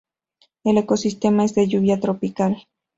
El ecosistema es de lluvia tropical.